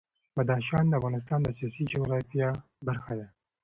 بدخشان د افغانستان د سیاسي جغرافیه برخه ده.